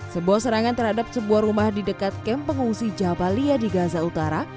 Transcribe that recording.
sebuah serangan terhadap sebuah rumah di dekat kamp pengungsi jabalia di gaza utara